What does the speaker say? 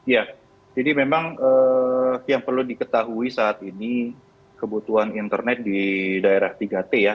ya jadi memang yang perlu diketahui saat ini kebutuhan internet di daerah tiga t ya